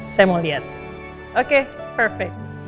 saya mau lihat oke perfe